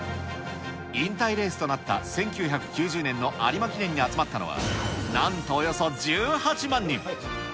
引退レースとなった１９９０年の有馬記念に集まったのは、なんとおよそ１８万人。